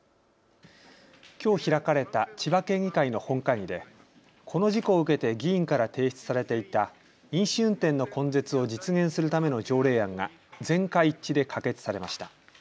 きょう開かれた千葉県議会の本会議でこの事故を受けて議員から提出されていた飲酒運転の根絶を実現するための条例案が全会一致で可決されました。